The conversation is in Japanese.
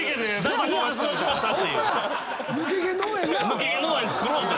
抜け毛農園造ろうぜ！